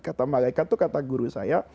kata malaikat itu kata guru saya